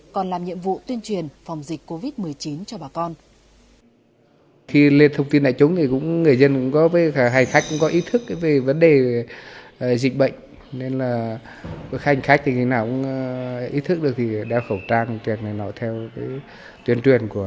còn làm nhiệm vụ tuyên truyền phòng dịch covid một mươi chín cho bà con